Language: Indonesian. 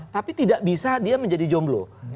tapi tidak bisa dia menjadi jomblo